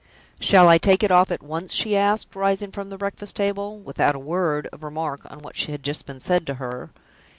"Shall I take it off at once?" she asked, rising from the breakfast table, without a word of remark on what had just been said to her.